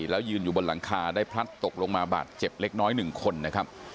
แล้วยืนอยู่บนหลังคาได้พลัดตกลงมาบาดเจ็บเล็กน้อย๑คนนะครับ